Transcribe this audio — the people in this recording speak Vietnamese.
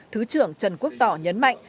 thứ trưởng trần quốc tỏ nhấn mạnh